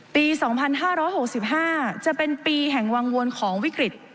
ปีสองพันห้าร้อยหกสิบห้าจะเป็นปีแห่งวางวนของวิกฤต